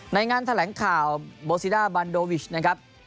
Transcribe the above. งานแถลงข่าวโบซิด้าบันโดวิชนะครับ